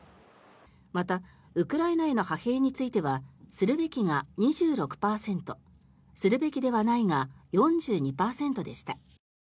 またウクライナへの派兵についてはするべきが２６％するべきではないが４２％でした。